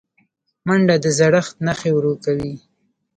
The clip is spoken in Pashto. منډه د زړښت نښې ورو کوي